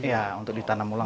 iya untuk ditanam ulang